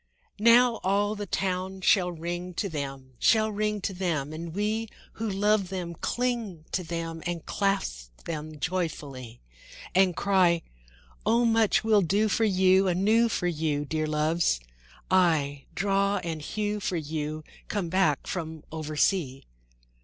II Now all the town shall ring to them, Shall ring to them, And we who love them cling to them And clasp them joyfully; And cry, "O much we'll do for you Anew for you, Dear Loves!—aye, draw and hew for you, Come back from oversea."